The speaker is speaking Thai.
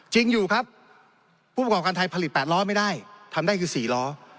จริงอยู่ครับผู้ประกอบการไทยผลิต๘ล้อไม่ได้ทำได้คือ๔ล้อ